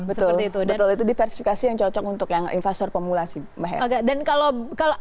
betul itu diversifikasi yang cocok untuk yang investor pemula sih mbak her